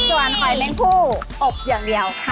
ส่วนหอยเม้งผู้อบอย่างเดียวค่ะ